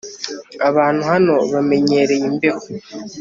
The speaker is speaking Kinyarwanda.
abantu hano bamenyereye imbeho